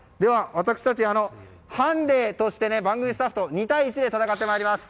私たち、ハンデとして番組スタッフと２対１で戦ってまいります。